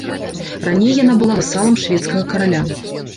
Раней яна была васалам шведскага караля.